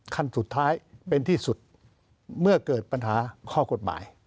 ขั้นสุดท้ายเป็นที่สุดเมื่อเกิดปัญหาข้อกฎหมาย